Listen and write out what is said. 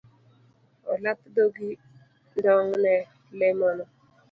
Olap dhogi ndong ne lemono.